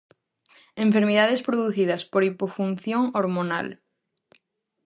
Enfermidades producidas por hipofunción hormonal.